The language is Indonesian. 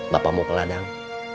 bapak mau ke ladang